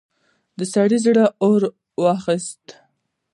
د سړي زړه اور واخيست.